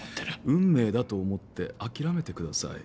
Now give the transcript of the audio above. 運命だと思って諦めてください。